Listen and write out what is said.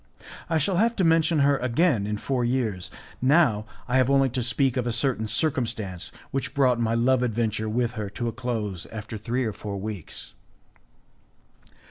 I shall have to mention her again in four years; now I have only to speak of a certain circumstance which brought my love adventure with her to a close after three or four weeks.